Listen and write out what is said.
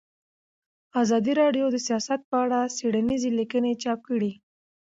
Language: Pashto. ازادي راډیو د سیاست په اړه څېړنیزې لیکنې چاپ کړي.